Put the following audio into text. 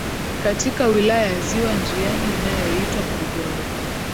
katika Wilaya ya Ziwa Njiani inayoitwa Mgogoro